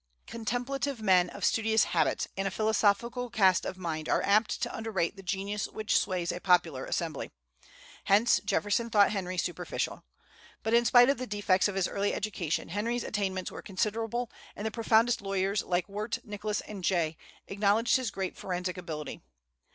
Contemplative men of studious habits and a philosophical cast of mind are apt to underrate the genius which sways a popular assembly. Hence, Jefferson thought Henry superficial. But in spite of the defects of his early education, Henry's attainments were considerable, and the profoundest lawyers, like Wirt, Nicholas, and Jay, acknowledged his great forensic ability.